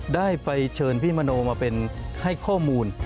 ได้ไปเชิญพี่มโนมาเป็นให้ข้อมูล